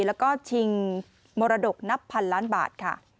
และชิงมรดกนับพันล้านบาท